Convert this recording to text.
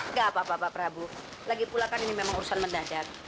enggak apa apa pak prabowo lagi pula kan ini memang urusan mendadak